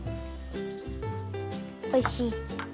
おいしい。